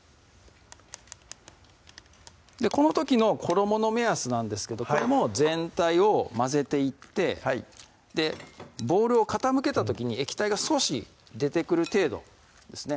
この時の衣の目安なんですけどこれも全体を混ぜていってボウルを傾けた時に液体が少し出てくる程度ですね